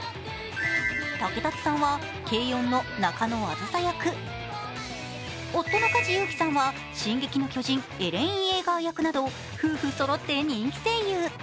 竹達さんは、「けいおん！」の中野梓役、夫の梶裕貴さんは「進撃の巨人」エレン・イェーガー役など夫婦そろって人気声優。